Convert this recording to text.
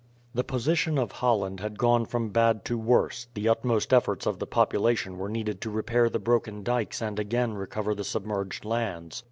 The position of Holland had gone from bad to worse, the utmost efforts of the population were needed to repair the broken dykes and again recover the submerged lands.